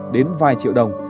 đến vài triệu đồng